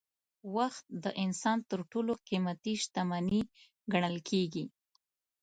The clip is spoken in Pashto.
وخت د انسان تر ټولو قیمتي شتمني ګڼل کېږي.